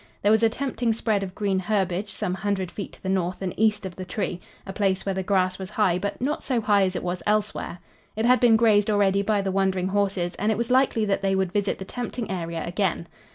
There was a tempting spread of green herbage some hundred feet to the north and east of the tree, a place where the grass was high but not so high as it was elsewhere. It had been grazed already by the wandering horses and it was likely that they would visit the tempting area again.